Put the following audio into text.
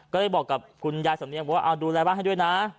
ก็เลยบอกกับคุณยายสำเนียงบอกว่าเอาดูแลบ้านให้ด้วยนะ